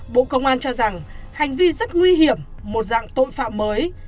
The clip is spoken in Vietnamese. bộ công an cho rằng hành vi rất nguy hiểm một dạng tội phạm mới